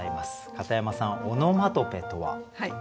片山さんオノマトペとは？